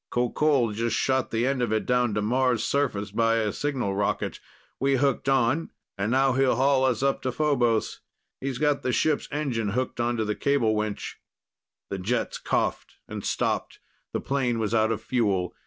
Qoqol just shot the end of it down to Mars' surface by signal rocket, we hooked on and now he'll haul us up to Phobos. He's got the ship's engine hooked onto the cable winch." The jets coughed and stopped. The plane was out of fuel.